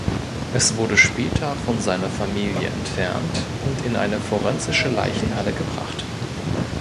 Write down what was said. Es wurde später von seiner Familie entfernt und in eine forensische Leichenhalle gebracht.